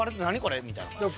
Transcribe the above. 何これみたいな。